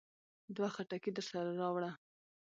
دوه خټکي درسره راوړه.